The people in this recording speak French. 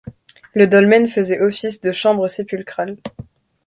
Le dolmen faisait office de chambre sépulcrale.